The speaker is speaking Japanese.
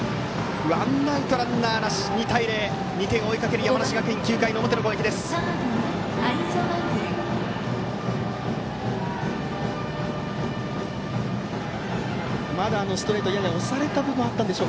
ワンアウトランナーなし２点を追いかける山梨学院９回の表の攻撃です。